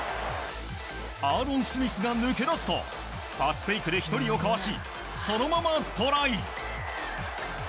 アーロン・スミスが抜け出すとパスフェイクで１人をかわしそのままトライ！